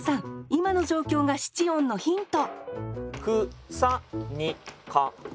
今の状況が七音のヒント